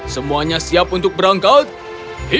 semuanya siap untuk pergi